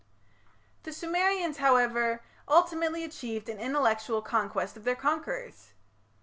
The Sumerians, however, ultimately achieved an intellectual conquest of their conquerors.